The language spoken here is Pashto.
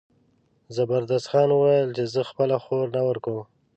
زبردست خان وویل چې زه خپله خور نه ورکوم.